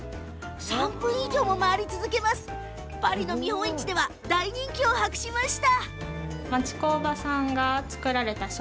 ３分以上も回り続けてパリの見本市では大人気を博しました。